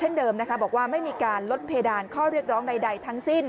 เดิมนะคะบอกว่าไม่มีการลดเพดานข้อเรียกร้องใดทั้งสิ้น